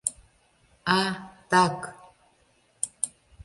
— А так.